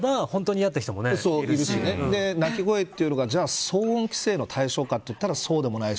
鳴き声というのが騒音規制の対象かというとそうでもないし。